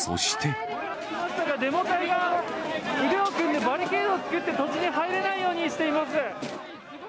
デモ隊が腕を組んで、バリケードを作って、土地に入れないようにしています。